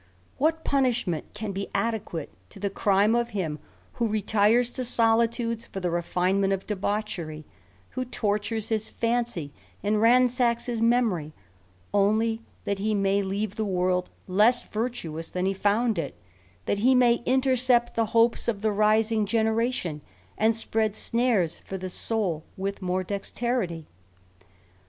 Wliat punish ent can be adequate to the crime of him who retires to solitudes for the refinement of debauchery ; who tortures his fancy, and ransacks his memory, only that he may leave the world less virtuous than he found it; that he may intercept the hopes of the rising generation; and Spread snares for the soul with more dexterity